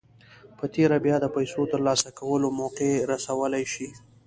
په تېره بیا د پیسو ترلاسه کولو توقع رسولای شئ